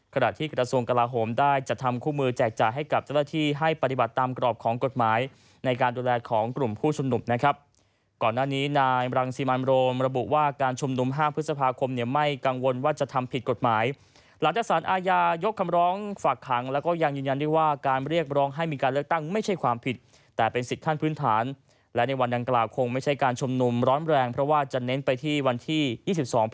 ขณะที่กระทรวงกราโฮมได้จัดทำคู่มือแจกจ่ายให้กับเจ้าที่ให้ปฏิบัติตามกรอบของกฎหมายในการดูแลของกลุ่มผู้ชุมนุมนะครับก่อนด้านนี้นายบรรคศีมันโรมระบุว่าการชุมนุม๕พฤษภาคมเนี่ยไม่กังวลว่าจะทำผิดกฎหมายหลักศึกษาลอาญายกคำร้องฝากขังและก็ยังยืนยันได้ว่าการเรียกร้